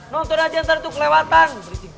nonton aja ntar tuh kelewatan